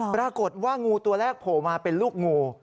ปรากฏว่างูตัวแรกโผล่มาเป็นลูกงู